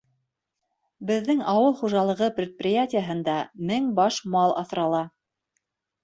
— Беҙҙең ауыл хужалығы предприятиеһында мең баш мал аҫрала.